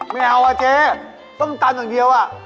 ไม่เอาอะเจ๊ต้นตันสังเทียวอ่ะ